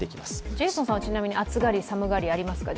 ジェイソンさんは、寒がり、暑がり、ありますか？